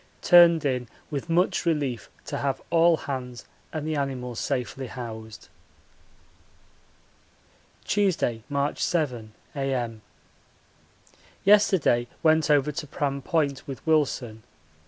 Turned in with much relief to have all hands and the animals safely housed. Tuesday, March 7, A.M. Yesterday went over to Pram Point with Wilson.